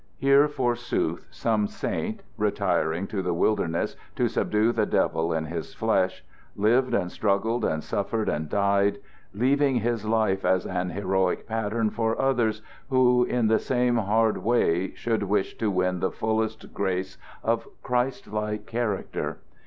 Here, forsooth, some saint, retiring to the wilderness to subdue the devil in his flesh, lived and struggled and suffered and died, leaving his life as an heroic pattern for others who in the same hard way should wish to win the fullest grace of Christlike character.